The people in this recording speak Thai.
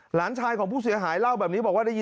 หลานชายของผู้เสียห่ายเหล้าแบบนี้